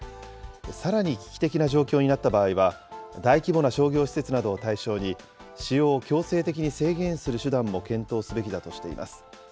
さらに危機的な状況になった場合は、大規模な商業施設などを対象に、使用を強制的に制限する手段も検討すべきだとしています。